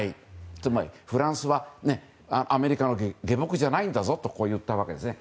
つまり、フランスはアメリカの下僕じゃないんだぞと言ったわけですね。